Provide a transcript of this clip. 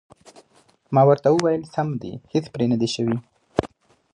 ما ورته وویل: سم دي، هېڅ پرې نه دي شوي.